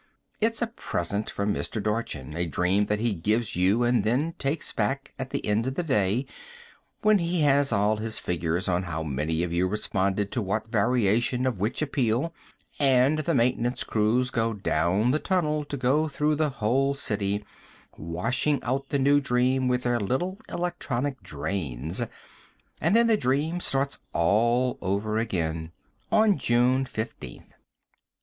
It's a present from Mr. Dorchin, a dream that he gives you and then takes back at the end of the day, when he has all his figures on how many of you responded to what variation of which appeal, and the maintenance crews go down the tunnel to go through the whole city, washing out the new dream with their little electronic drains, and then the dream starts all over again. On June 15th.